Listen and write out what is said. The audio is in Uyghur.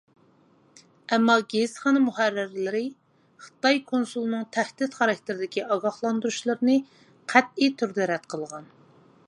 ئەمما گېزىتخانا مۇھەررىرلىرى خىتاي كونسۇلىنىڭ تەھدىت خاراكتېرىدىكى ئاگاھلاندۇرۇشلىرىنى قەتئىي تۈردە رەت قىلغان.